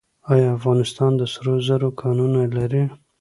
آیا افغانستان د سرو زرو کانونه لري؟